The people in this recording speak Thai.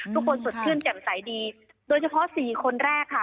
ทุกคนสดขึ้นเจ็บใสดีโดยเฉพาะ๔คนแรกค่ะ